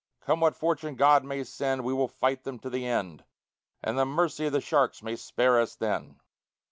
Come what fortune God may send, we will fight them to the end, And the mercy of the sharks may spare us then."